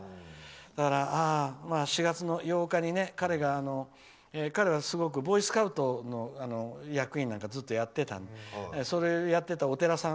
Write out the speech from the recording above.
だから、４月の８日にね彼はボーイスカウトの役員とかをずっとやってたのでそれをやってたお寺さん